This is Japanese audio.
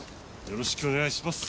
よろしくお願いします。